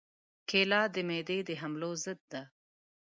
کېله د معدې د حملو ضد ده.